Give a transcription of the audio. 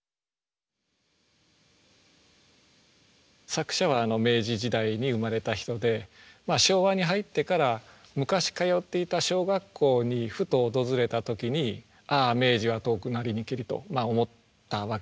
作者は明治時代に生まれた人で昭和に入ってから昔通っていた小学校にふと訪れた時にああ明治は遠くなりにけりと思ったわけですね。